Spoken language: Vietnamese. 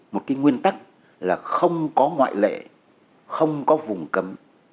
một cái nguyên tắc là không có ngoại lệ không có vùng cấm